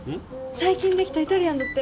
最近できたイタリアンだって！